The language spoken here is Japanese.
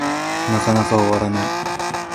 なかなか終わらない